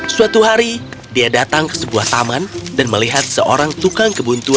suatu hari dia datang ke sebuah taman dan melihat seorang tukang kebuntuan